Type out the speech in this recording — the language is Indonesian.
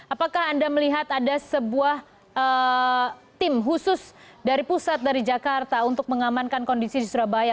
apakah anda melihat ada sebuah tim khusus dari pusat dari jakarta untuk mengamankan kondisi di surabaya